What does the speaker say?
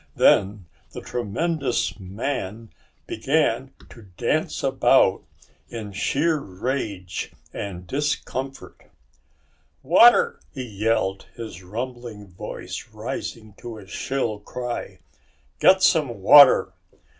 Then the tremendous man began to dance about in sheer rage and discomfort. "Water!" he yelled, his rumbling voice rising to a shrill cry. "Get some water!"